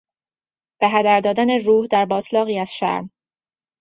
به هدر دادن روح در باتلاقی از شرم